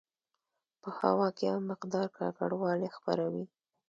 په هوا کې یو مقدار ککړوالی خپروي.